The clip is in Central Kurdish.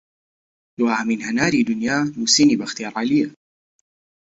دواهەمین هەناری دونیا نوسینی بەختیار عەلییە